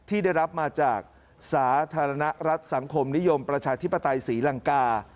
ที่ได้รับมาจากสาธารณรัฐสังคมนิยมประชาธิปไตยศรีลังกา